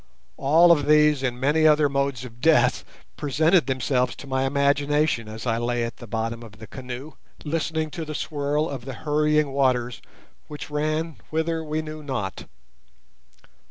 All of these and many other modes of death presented themselves to my imagination as I lay at the bottom of the canoe, listening to the swirl of the hurrying waters which ran whither we knew not.